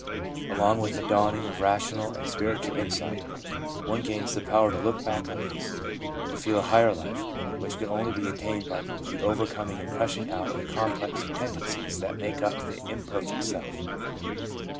Along with the dawning of rational and spiritual insight one gains the power to look back on these, and to feel a higher life, which can only be attained by the overcoming and crushing out of the complex of tend encies that make up the imperfect self.